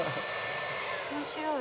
面白い。